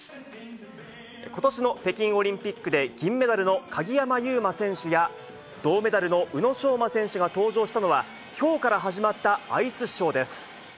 ことしの北京オリンピックで銀メダルの鍵山優真選手や、銅メダルの宇野昌磨選手が登場したのは、きょうから始まったアイスショーです。